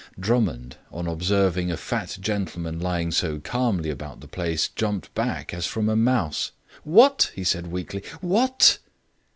Drummond, on observing a fat gentleman lying so calmly about the place, jumped back, as from a mouse. "What?" he said weakly, "... what?"